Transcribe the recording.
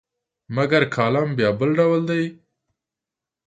مګر کالم بیا بل ډول دی.